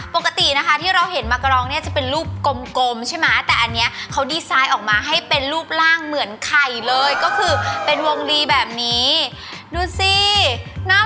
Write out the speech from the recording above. ปกตินะคะที่เราเห็นบาวนิลาไอศนี่จะเป็นรูปกลมใช่มะ